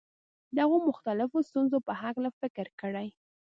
د هغو مختلفو ستونزو په هکله فکر کړی.